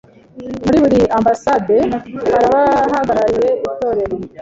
Muri buri Ambasade harabahagarariye itorero